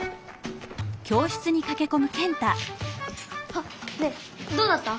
あっねえどうだった？